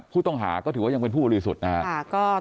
ผู้ต้องหาก็ถือว่ายังเป็นผู้บริสุทธิ์นะครับ